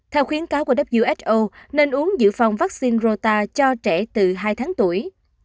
theo khuyến cáo của who nên uống dự phòng vaccine rota cho trẻ từ hai tháng tuổi